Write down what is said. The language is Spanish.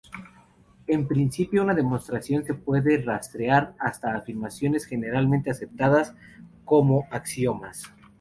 En principio una demostración se puede rastrear hasta afirmaciones generalmente aceptadas, conocidas como axiomas.